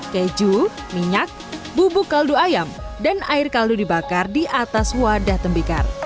keju minyak bubuk kaldu ayam dan air kaldu dibakar di atas wadah tembikar